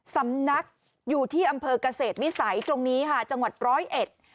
สำนักอยู่ที่อำเภอกเกษตรวิสัยตรงนี้ค่ะจังหวัดร้อยเอ็ด